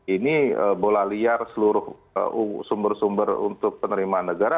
ini bola liar seluruh sumber sumber untuk penerimaan negara